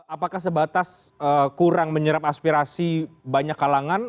apakah sebatas kurang menyerap aspirasi banyak kalangan